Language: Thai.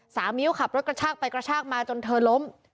สาวมิ้วขับรถกระชากไปกระชากมาจนเธอล้ม